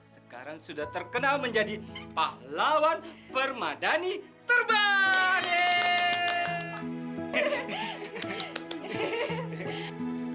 sekarang sudah terkenal menjadi pahlawan permadani terbaik